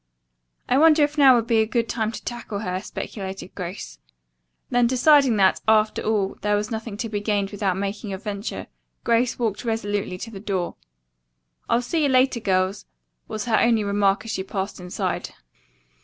"I wonder if now would be a good time to tackle her," speculated Grace. Then deciding that, after all, there was nothing to be gained without making a venture, Grace walked resolutely to the door. "I'll see you later, girls," was her only remark as she passed inside.